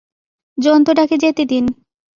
জন্তুটাকে যেতে দিন!